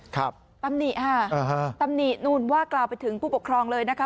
ครับตำหนีอ่าตำหนีนูนว่ากล่าวไปถึงผู้ปกครองเลยนะคะ